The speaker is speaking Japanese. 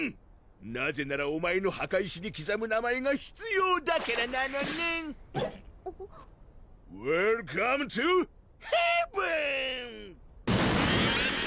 なぜならお前の墓石にきざむ名前が必要だからなのねんウエルカムトゥヘヴン！